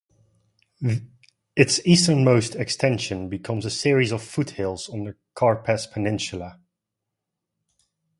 Its easternmost extension becomes a series of foothills on the Karpass Peninsula.